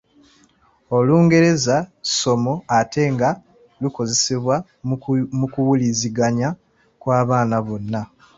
Olungereza ssomo ate nga lukozesebwa mu kuwuliziganya kw'abaana bonna.